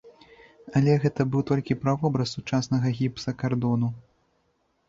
Але гэта быў толькі правобраз сучаснага гіпсакардону.